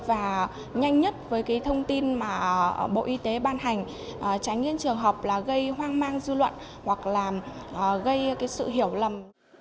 và nhanh nhất với cái thông tin mà bộ y tế ban hành tránh trường hợp là gây hoang mang dư luận hoặc là gây sự hiểu lầm